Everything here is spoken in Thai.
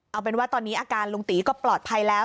เอาเป็นว่าตอนนี้อาการลุงตีก็ปลอดภัยแล้ว